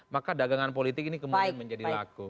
maka dagangan politik ini kemudian menjadi laku